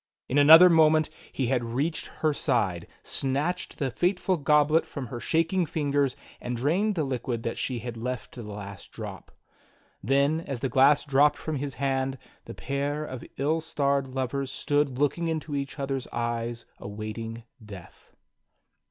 In another moment he had reached her side, snatched the fateful goblet from her shak ing fingers, and drained the liquid that she had left to the last drop. Then as the glass dropped from his hand, the pair of ill starred lovers stood looking into each other's eyes awaiting death.